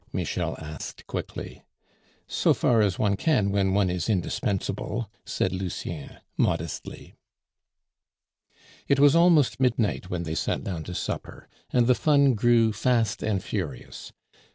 Michel asked quickly. "So far as one can when one is indispensable," said Lucien modestly. It was almost midnight when they sat down to supper, and the fun grew fast and furious.